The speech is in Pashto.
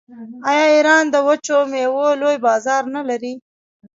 آیا ایران د وچو میوو لوی بازار نلري؟